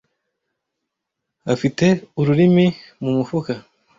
afite ururimi mu mufuka